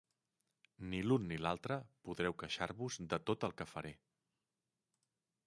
Ni l'un ni l'altre podreu queixar-vos de tot el que faré.